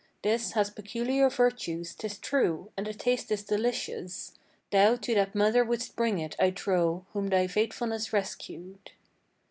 This has peculiar virtues, 'tis true; and the taste is delicious. Thou to that mother wouldst bring it, I trow, whom thy faithfulness rescued."